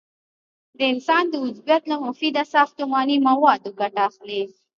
د انسان د عضویت له مفیده ساختماني موادو ګټه اخلي.